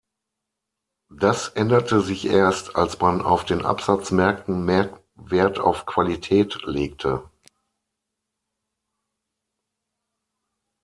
Das änderte sich erst, als man auf den Absatzmärkten mehr Wert auf Qualität legte.